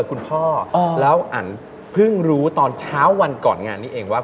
ก็มันปรอกเหมาะจัง